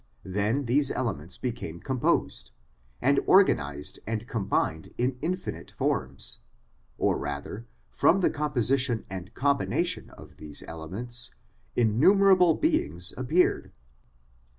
Then these elements became composed, and organised and combined in infinite forms; or rather from the composition and combination of these elements innumerable beings appeared.